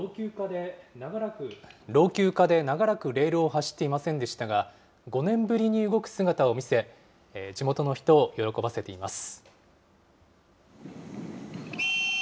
老朽化で長らく、レールを走っていませんでしたが、５年ぶりに動く姿を見せ、地元の人を喜ばせています。